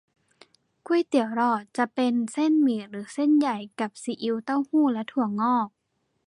ก๋วยเตี๋ยวหลอด จะเป็นเส้นหมี่หรือเส้นใหญ่ กับซีอิ๊ว เต้าหู้ และถั่วงอก